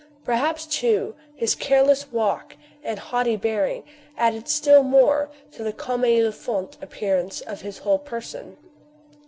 Perhaps, too, his careless walk and haughty bearing added still more to the commue il faut appearance of his whole person.